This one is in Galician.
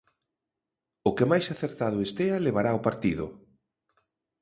O que máis acertado estea levará o partido.